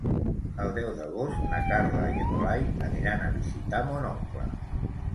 El deu d'agost na Carla i en Blai aniran a visitar mon oncle.